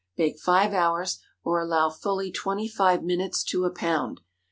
Bake five hours, or allow fully twenty five minutes to a pound.